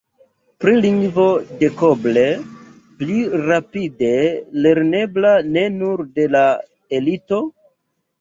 Pri lingvo dekoble pli rapide lernebla ne nur de la elito?